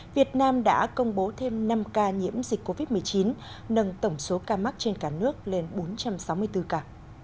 việt nam đã công bố thêm năm ca nhiễm dịch covid một mươi chín nâng tổng số ca mắc trên cả nước lên bốn trăm sáu mươi bốn ca